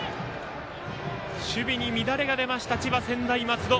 守備に乱れが出ました千葉・専大松戸。